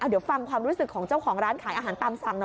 เดี๋ยวฟังความรู้สึกของเจ้าของร้านขายอาหารตามสั่งหน่อย